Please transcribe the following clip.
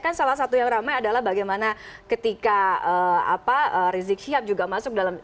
kan salah satu yang ramai adalah bagaimana ketika rizik syihab juga masuk dalam